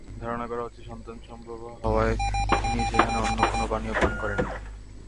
ধারণা করা হচ্ছে, সন্তানসম্ভবা হওয়ায় তিনি সেখানে অন্য কোনো পানীয় পান করেননি।